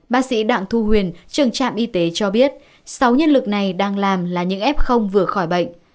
bác sĩ đạng thu huyền trường trạm y tế cho biết sáu nhân lực này đang làm là những ép không vừa khỏi bệnh